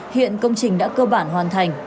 hiện công trình đã cơ bản hoàn thành